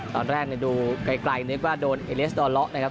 ตอนแรกดูไกลนึกว่าโดนเอเลสดอเลาะนะครับ